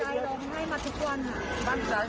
นั่นเหมือนว่าคุณแสนยันยินยันใหม่